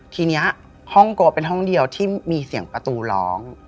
ทีนี้ห้องโกเป็นห้องเดียวที่มีเสียงประตูร้อง